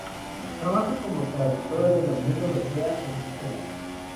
Trabaja como traductora de la Unión Europea en Bruselas.